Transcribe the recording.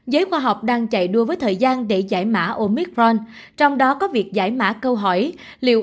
giới khoa học đang chạy đua với thời gian để giải mã omicron trong đó có việc giải mã câu hỏi liệu